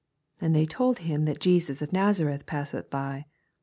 87 And they told him, that Jesus of Nazareth passeth by.